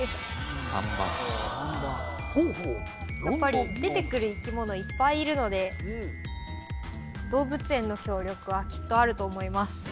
やっぱり出てくる生き物いっぱいいるので動物園の協力はきっとあると思います